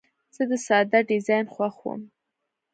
زه د ساده ډیزاین خوښوم.